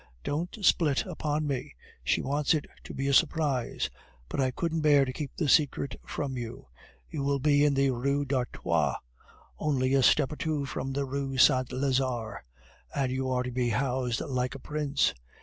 Don't split upon me. She wants it to be a surprise; but I couldn't bear to keep the secret from you. You will be in the Rue d'Artois, only a step or two from the Rue Saint Lazare, and you are to be housed like a prince!